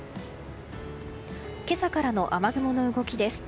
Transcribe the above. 今朝からの雨雲の動きです。